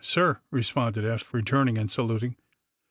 ''Sir!" responded Eph, returning and salut ing.